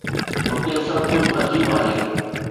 هتي سڀ ڪجهه عجيب آهي.